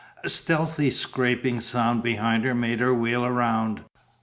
A stealthy scraping sound behind her made her wheel round.